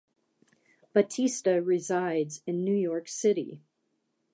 Batista resides in New York City.